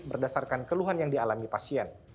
berdasarkan keluhan yang dialami pasien